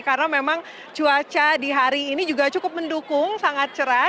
karena memang cuaca di hari ini juga cukup mendukung sangat cerah